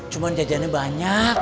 cuma jajannya banyak